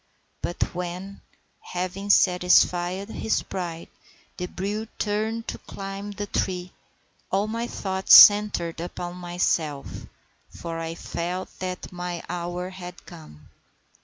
But when, having satisfied his pride, the brute turned to climb the tree, all my thoughts centred upon myself, for I felt that my hour had come.